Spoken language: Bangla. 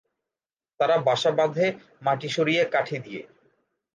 তারা বাসা বাঁধে মাটি সরিয়ে কাঠি দিয়ে।